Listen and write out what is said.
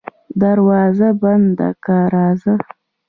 دروازه بنده که راځه.